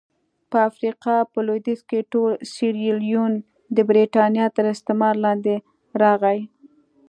په افریقا په لوېدیځ کې ټول سیریلیون د برېټانیا تر استعمار لاندې راغی.